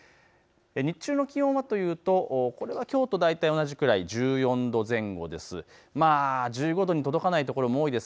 日中の気温はというときょうと大体同じくらい１４度前後です。